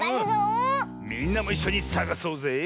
みんなもいっしょにさがそうぜ。